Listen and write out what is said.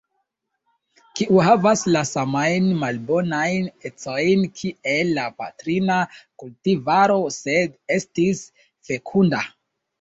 Kiu havas la samajn malbonajn ecojn kiel la patrina kultivaro, sed estis fekunda.